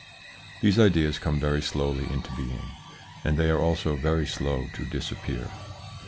These ideas come very slowly into being, and they are also very slow to disappear.